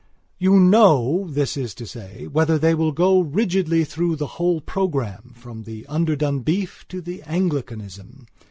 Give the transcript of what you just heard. You know, this is to say, whether they will go rigidly through with the whole programme from the underdone beef to the Anglicanism.